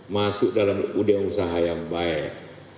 masuk dalam ide usaha yang baik